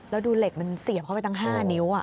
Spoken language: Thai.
แล้วดูเหล็กมันเสียบเข้าไปตั้ง๕นิ้ว